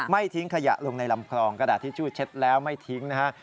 ทิ้งขยะลงในลำคลองกระดาษทิชชู่เช็ดแล้วไม่ทิ้งนะฮะ